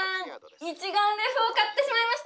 一眼レフを買ってしまいました！